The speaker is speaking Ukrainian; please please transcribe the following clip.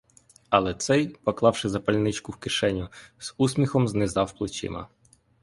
Але цей, поклавши запальничку в кишеню, з усміхом знизав плечима.